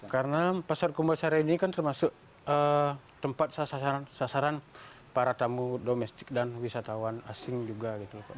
karena pasar kumbasari ini kan termasuk tempat sasaran para tamu domestik dan wisatawan asing juga